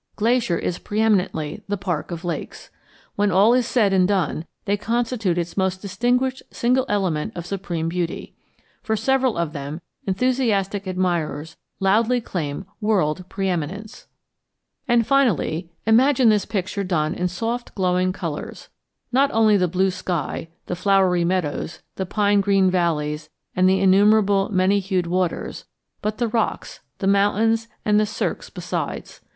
Glacier is pre eminently the park of lakes. When all is said and done, they constitute its most distinguished single element of supreme beauty. For several of them enthusiastic admirers loudly claim world pre eminence. And finally imagine this picture done in soft glowing colors not only the blue sky, the flowery meadows, the pine green valleys, and the innumerable many hued waters, but the rocks, the mountains, and the cirques besides.